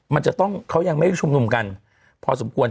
มันจะต้องเขายังไม่ชุมนุมกันพอสมควร